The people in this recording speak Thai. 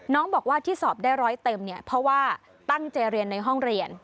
น้องบอกว่าที่สอบได้ร้อยเต็มเนี่ยเพราะว่าตั้งใจเรียนในห้องเรียน